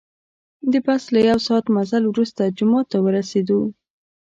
د بس له یو ساعت مزل وروسته جومات ته ورسیدو.